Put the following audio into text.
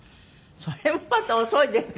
それもまた遅いですね